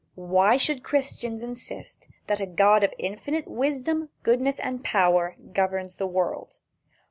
Why should Christians insist that a God of infinite wisdom, goodness and power governs the world?